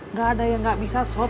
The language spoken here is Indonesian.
nggak ada yang nggak bisa swab